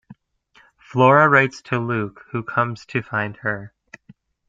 Flora writes to Luke, who comes to find her.